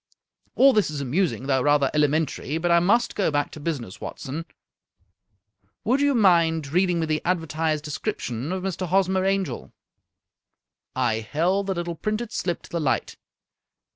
All this is amusing, though rather elementary, but I must go back to business, Watson. Would you mind reading me the advertised description of Mr. Hosmer Angel ?" I held the little printed slip to the light.